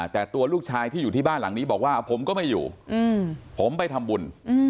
แต่ตัวลูกชายที่อยู่ที่บ้านหลังนี้บอกว่าผมก็ไม่อยู่ผมไปทำบุญ